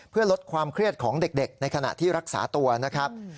เพื่อลดความเครียดของเด็กในขณะที่รักษาตัวนะครับ